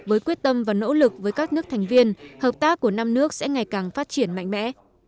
với quyết tâm và nỗ lực với các nước thành viên hợp tác của năm nước sẽ ngày càng phát triển mạnh mẽ